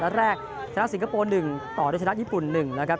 แรกชนะสิงคโปร์๑ต่อโดยชนะญี่ปุ่น๑นะครับ